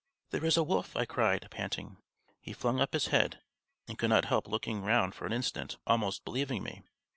"There is a wolf!" I cried, panting. He flung up his head, and could not help looking round for an instant, almost believing me.